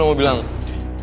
terima kasih banget